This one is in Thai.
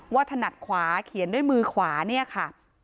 ถนัดขวาเขียนด้วยมือขวาเนี่ยค่ะ